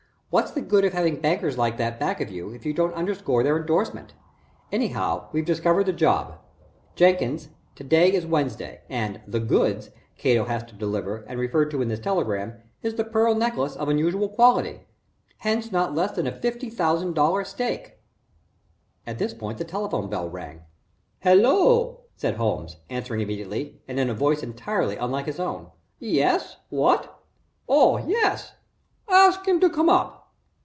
"What's the good of having bankers like that back of you if you don't underscore their endorsement? Anyhow, we've discovered the job, Jenkins; to day is Wednesday, and the 'goods' Cato has to deliver and referred to in his telegram is the pearl necklace of unusual quality hence not less than a $50,000 stake." At this point the telephone bell rang. "Hello," said Holmes, answering immediately, and in a voice entirely unlike his own. "Yes what? Oh yes. Ask him to come up."